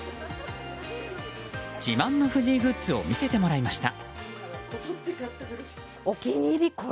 自慢の藤井グッズを見せてもらいました。